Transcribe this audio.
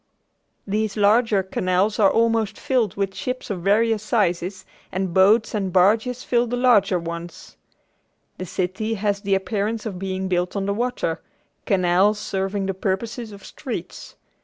These larger canals are almost filled with ships of various sizes and boats and barges fill the smaller ones. The city has the appearance of being built on the water, canals serving the purposes of streets.